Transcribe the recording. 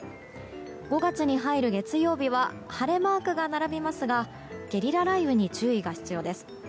５月に入る月曜日は晴れマークが並びますがゲリラ雷雨に注意が必要です。